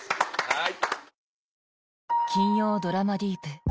はい。